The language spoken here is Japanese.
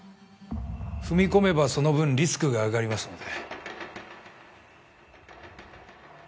踏み込めばその分リスクが上がりますので。